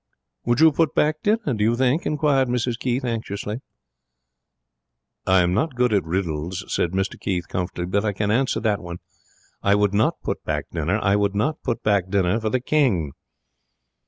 'Would you put back dinner, do you think?' inquired Mrs Keith, anxiously. 'I am not good at riddles,' said Mr Keith, comfortably, 'but I can answer that one. I would not put back dinner. I would not put back dinner for the King.'